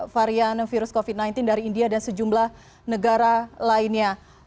varian virus covid sembilan belas dari india dan sejumlah negara lainnya